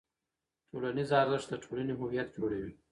ټولنیز ارزښت د ټولنې هویت جوړوي.